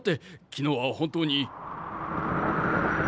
昨日は本当に。